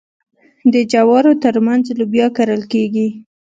د جوارو ترمنځ لوبیا کرل کیږي.